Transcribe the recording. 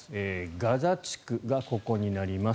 ガザ地区がここになります。